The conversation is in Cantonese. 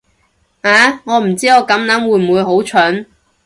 啊，我唔知我咁諗會唔會好蠢